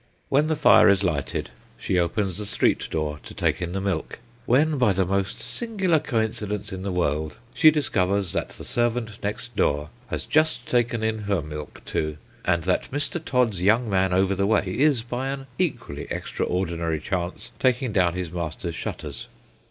When the fire is lighted, she opens the street door to 38 Sketches by Boz. take in the milk, when, by the most singular coincidence in the world, she discovers that the servant next door has just taken in her milk too, and that Mr. Todd's young man over the way, is, by an equally extraordinary chance, taking down his master's shutters.